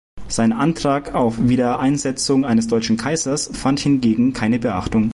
Sein Antrag auf Wiedereinsetzung eines deutschen Kaisers fand hingegen keine Beachtung.